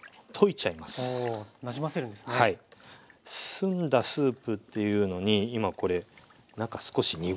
澄んだスープっていうのに今これなんか少し濁ってるんですよね。